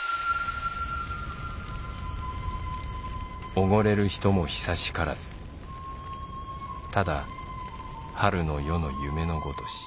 「おごれる人も久しからずただ春の夜の夢のごとし。